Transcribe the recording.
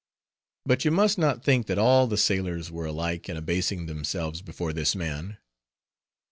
But you must not think that all the sailors were alike in abasing themselves before this man.